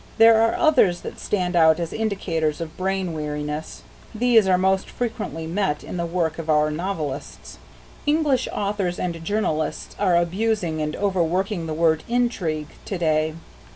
There are others that stand out as indicators of brain weariness. These are most frequently met in the work of our novelists. English authors and journalists are abusing and overworking the word intrigue to day.